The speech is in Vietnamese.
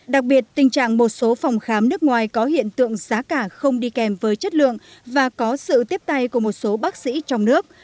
đặc biệt tình trạng một số phòng khám nước ngoài có hiện tượng giá cả không đi kèm với chất lượng và có sự tiếp tay của một số bác sĩ trong nước